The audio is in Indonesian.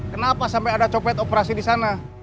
kenapa sampai ada copet operasi di sana